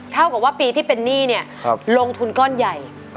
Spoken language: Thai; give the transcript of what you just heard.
เท่ากับว่าปีที่เป็นหนี้เนี่ยลงทุนก้อนใหญ่